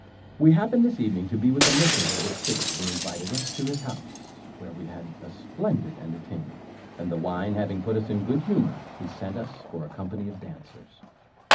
We happened this evening to be with a merchant of this city, who invited us to his house, where we had a splendid entertainment: and the wine having put us in good humour, he sent for a company of dancers.